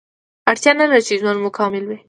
اړتیا نلري چې ژوند مو کامل وي